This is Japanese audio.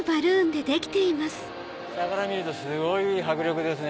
下から見るとすごい迫力ですね